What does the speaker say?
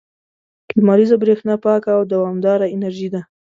• لمریزه برېښنا پاکه او دوامداره انرژي ده.